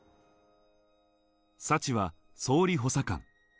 サチは総理補佐官。